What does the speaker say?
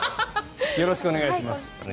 よろしくお願いします。